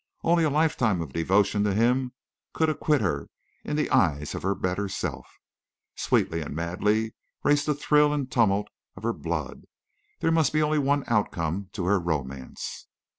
Only a lifetime of devotion to him could acquit her in the eyes of her better self. Sweetly and madly raced the thrill and tumult of her blood. There must be only one outcome to her romance.